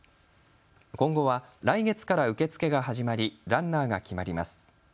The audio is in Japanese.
今後は来月から受け付けが始まりランナーが決まります。